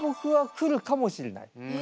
来るかもしれない？